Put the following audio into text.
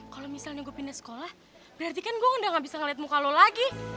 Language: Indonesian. kalau misalnya gue pindah sekolah berarti kan gue udah gak bisa ngeliat muka lo lagi